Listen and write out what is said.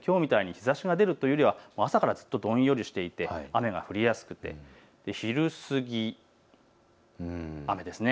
きょうみたいに日ざしが出るというよりは朝からずっとどんよりしていて雨が降りやすくて昼過ぎ、雨ですね。